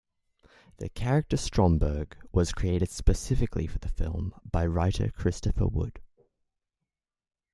The character Stromberg was created specifically for the film by writer Christopher Wood.